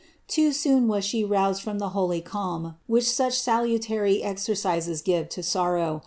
Too soon was slie roused from the holy calm which such salutary exercises give to sorrow.